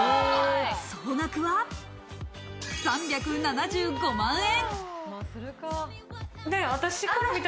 総額は３７５万円。